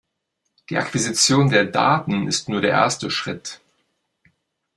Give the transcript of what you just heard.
Die Akquisition der Daten ist nur der erste Schritt.